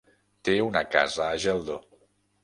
Té una casa a Geldo.